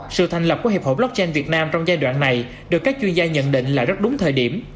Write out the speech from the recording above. sự thành lập của hiệp hội blockchain việt nam trong giai đoạn này được các chuyên gia nhận định là rất đúng thời điểm